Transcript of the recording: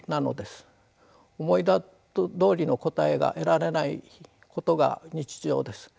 思いどおりの答えが得られないことが日常です。